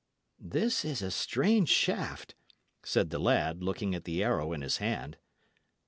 "This is a strange shaft," said the lad, looking at the arrow in his hand.